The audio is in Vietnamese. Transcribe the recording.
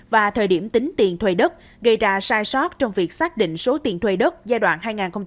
và thời điểm tính tiền thuê đất gây ra sai sót trong việc xác định số tiền thuê đất giai đoạn hai nghìn một mươi sáu hai nghìn hai mươi